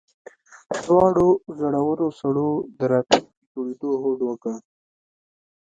دواړو زړورو سړو د راتلونکي جوړولو هوډ وکړ